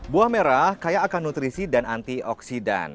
buah merah kaya akan nutrisi dan antioksidan